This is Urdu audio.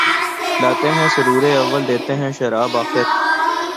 لاتے ہیں سرور اول دیتے ہیں شراب آخر